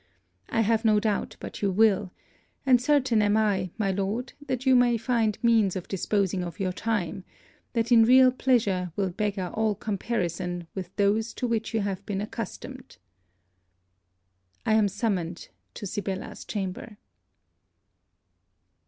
I have no doubt but you will; and certain am I, my Lord, that you may find means of disposing of your time, that in real pleasure will beggar all comparison with those to which you have been accustomed. I am summoned to Sibella's chamber.